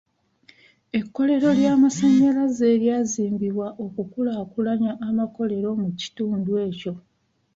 Ekkolero ly'amasannyalaze lyazimbibwa okukulaakulanya amakolero mu kitundu ekyo.